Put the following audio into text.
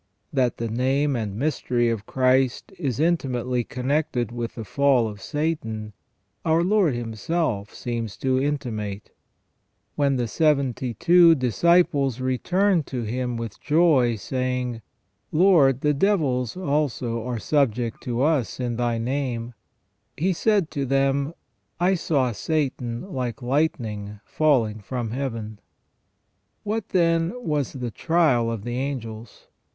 That the name and mystery of Christ is intimately connected with the fall of Satan our Lord Himself seems to intimate. When the seventy two disciples returned to Him with joy, saying, " Lord, the devils also are subject to us in Thy name ; He said to them : I saw Satan, like lightning, falling from Heaven ", What, then, was the trial of the angels